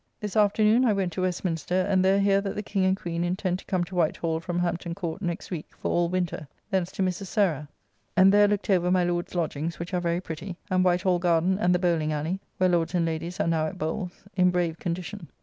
This afternoon I went to Westminster; and there hear that the King and Queen intend to come to White Hall from Hampton Court next week, for all winter. Thence to Mrs. Sarah, and there looked over my Lord's lodgings, which are very pretty; and White Hall garden and the Bowling ally (where lords and ladies are now at bowles), in brave condition.